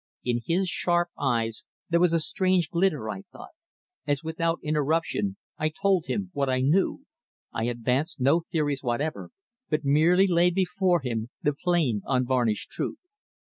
In his sharp eyes there was a strange glitter, I thought, as without interruption I told him what I knew. I advanced no theories whatever, but merely laid before him the plain unvarnished truth.